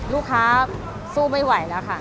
ลูกค้าสู้ไม่ไหวแล้วค่ะ